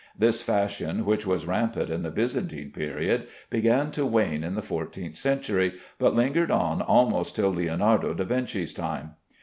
This fashion, which was rampant in the Byzantine period, began to wane in the fourteenth century, but lingered on almost till Leonardo da Vinci's time.